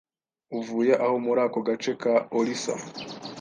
uvuye aho muri aka gace ka orissa